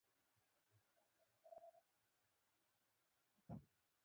ځمکه د انسانانو لپاره کور دی.